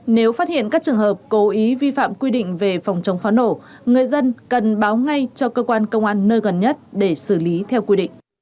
nếu phát hiện các trường hợp cố ý vi phạm quy định về phòng chống pháo nổ người dân cần báo ngay cho cơ quan công an nơi gần nhất để xử lý theo quy định